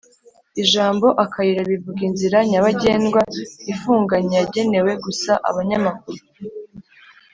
ijambo’’akayira’’bivuga inzira nyabagendwa ifunganye yagenewe gusa abanyamaguru